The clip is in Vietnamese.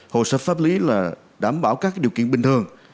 hồ sơ pháp lý là đảm bảo các điều kiện bình thường